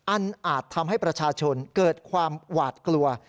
อาจทำให้ประชาชนเกิดความหวาดกลัว